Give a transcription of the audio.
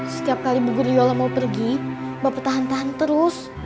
setiap kali burjolah mau pergi bapak tahan tahan terus